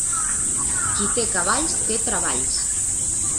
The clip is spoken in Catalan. Qui té cavalls, té treballs.